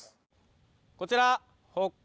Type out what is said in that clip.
こちら。